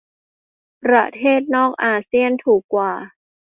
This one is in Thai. ประเทศนอกอาเซี่ยนถูกกว่า